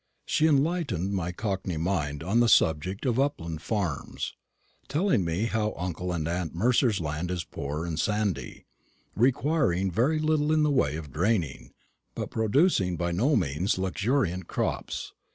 She enlightened my cockney mind on the subject of upland farms, telling me how uncle and aunt Mercer's land is poor and sandy, requiring very little in the way of draining, but producing by no means luxuriant crops.